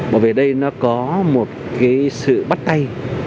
bởi vì đây nó có một cái sự bắt tay